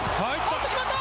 決まった！